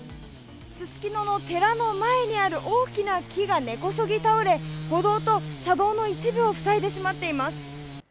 すすきのの寺の前にある大きな木が根こそぎ倒れ、歩道と車道の一部を塞いでしまっています。